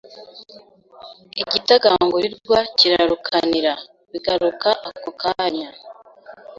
Igitagangurirwa kirarukanira, bigaruka ako kanya